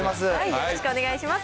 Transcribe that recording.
よろしくお願いします。